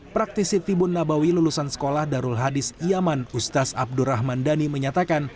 praktisi tibun nabawi lulusan sekolah darul hadis iaman ustaz abdurrahman dhani menyatakan